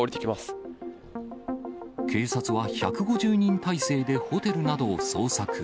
警察は１５０人態勢でホテルなどを捜索。